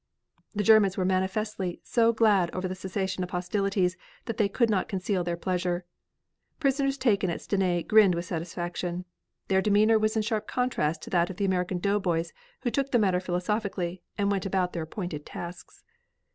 The Germans were manifestly so glad over the cessation of hostilities that they could not conceal their pleasure. Prisoners taken at Stenay grinned with satisfaction. Their demeanor was in sharp contrast to that of the American doughboys who took the matter philosophically and went about their appointed tasks.